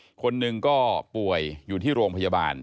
คนหนึ่งก็ป่วยอยู่ที่โรงพยาบาล